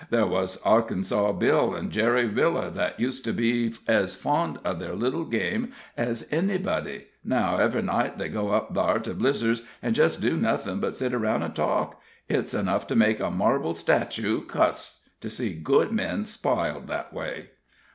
"There wuz Arkansas Bill an' Jerry Miller, thet used to be ez fond of ther little game ez anybody. Now, ev'ry night they go up thar to Blizzer's, an' jest do nothin' but sit aroun' an' talk. It's enough to make a marble statoo cuss to see good men spiled that way."